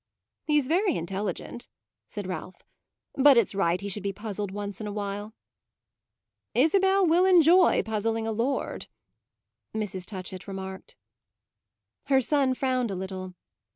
"He's very intelligent," said Ralph; "but it's right he should be puzzled once in a while." "Isabel will enjoy puzzling a lord," Mrs. Touchett remarked. Her son frowned a little.